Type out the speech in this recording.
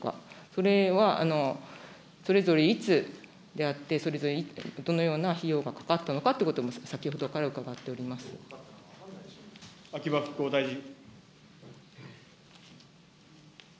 それは、それぞれいつであって、それぞれどのような費用がかかったのかということも、秋葉復興大臣。